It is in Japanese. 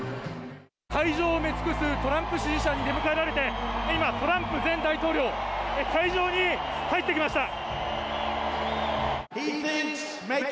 会場を埋め尽くすトランプ支持者に出迎えられて、今、トランプ前大統領、会場に入ってきました。